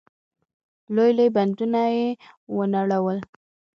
لوی لوی بندونه يې ونړول.